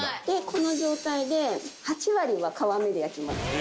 この状態で８割は皮目で焼きます。